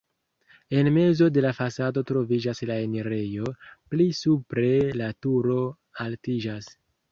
En mezo de la fasado troviĝas la enirejo, pli supre la turo altiĝas.